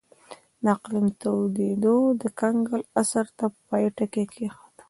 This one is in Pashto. د اقلیم تودېدو د کنګل عصر ته پای ټکی کېښود.